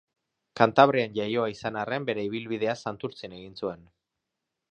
Kantabrian jaioa izan arren, bere ibilbidea Santurtzin egin zuen.